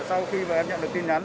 sau khi em nhận được tin nhắn